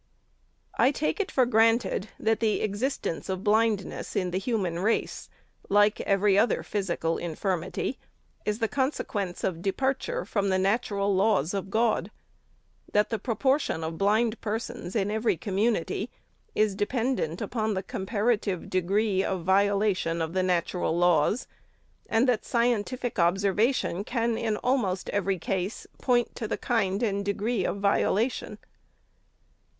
— See p. 472. I TAKE it for granted, that the existence of blindness in the human race, like every other physical infirmity, is the consequence of departure from the natural laws of God ; that the proportion of blind persons in every community is dependent upon the comparative degree of viola tion of the natural laws ; and that scientific observation can in almost every case point to the kind and degree of violation.